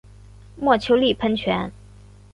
墨丘利喷泉。